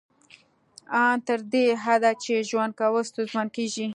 ان تر دې حده چې ژوند کول ستونزمن کیږي